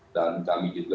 dan kami juga